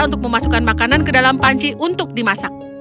untuk memasukkan makanan ke dalam panci untuk dimasak